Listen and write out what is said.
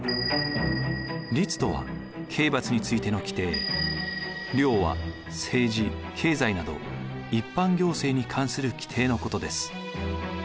律とは刑罰についての規定令は政治・経済など一般行政に関する規定のことです。